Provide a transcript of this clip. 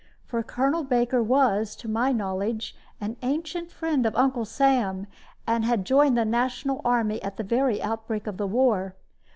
For Colonel Baker was, to my knowledge, an ancient friend of Uncle Sam, and had joined the national army at the very outbreak of the war.